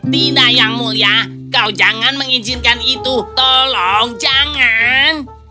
tina yang mulia kau jangan mengizinkan itu tolong jangan